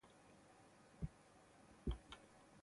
Está construida en el municipio zaragozano de Cuarte de Huerva.